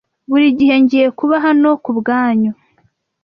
Buri gihe ngiye kuba hano kubwanyu